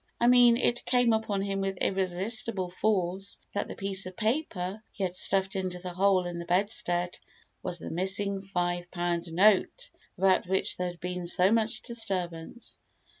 I mean it came upon him with irresistible force that the piece of paper, he had stuffed into the hole in the bedstead was the missing five pound note about which there had been so much disturbance.